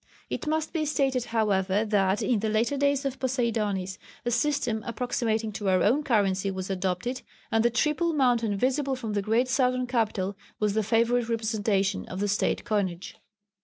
It must be stated, however, that in the later days of Poseidonis, a system approximating to our own currency was adopted, and the triple mountain visible from the great southern capital was the favourite representation on the State coinage.